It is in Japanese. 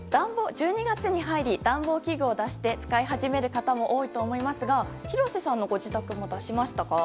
１２月に入り暖房器具を出して使い始める方も多いかと思いますが廣瀬さんのご自宅は出しましたか？